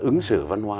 ứng sử văn hóa